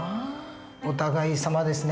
お互いさまですね。